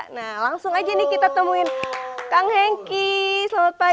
nah langsung aja nih kita temuin kang henki selamat pagi